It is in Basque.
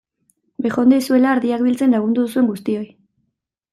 Bejondeizuela ardiak biltzen lagundu duzuen guztioi!